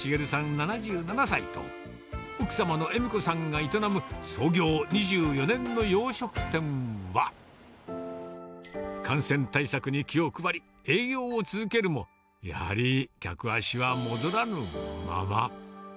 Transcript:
７７歳と、奥様の笑子さんが営む、創業２４年の洋食店は、感染対策に気を配り、営業を続けるも、やはり客足は戻らぬまま。